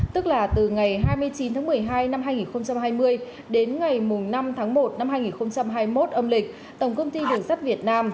tức là từ ngày hai mươi chín tháng một mươi hai năm hai nghìn hai mươi đến ngày năm tháng một năm hai nghìn hai mươi một âm lịch tổng công ty đường sắt việt nam